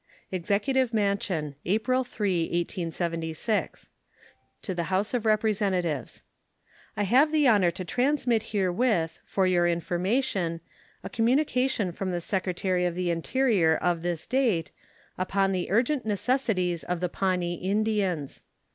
EXECUTIVE MANSION, April 3, 1876. To the House of Representatives: I have the honor to transmit herewith, for your information, a communication from the Secretary of the Interior of this date, upon the urgent necessities of the Pawnee Indians.